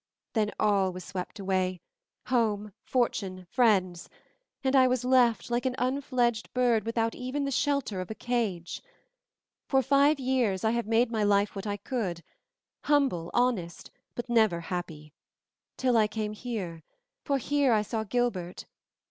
Then all was swept away, home, fortune, friends, and I was left, like an unfledged bird, without even the shelter of a cage. For five years I have made my life what I could, humble, honest, but never happy, till I came here, for here I saw Gilbert.